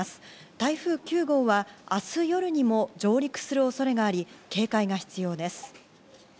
台風９号は明日夜にも上陸する恐れがあり、警戒が必要です。